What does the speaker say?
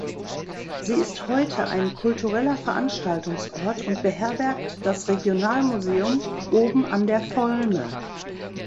Sie ist heute ein kultureller Veranstaltungsort und beherbergt das Regionalmuseum „Oben an der Volme“.